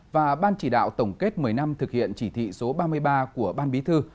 và ban chỉ đạo tổng kết một mươi năm thực hiện chỉ thị số ba mươi ba của ban bí thư